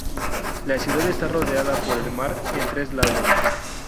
La ciudad está rodeada por el mar en tres lados.